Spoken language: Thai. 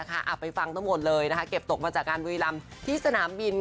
อับไปฟังทั้งหมดเลยเก็บตกมาจากการบริรัมที่สนามบิน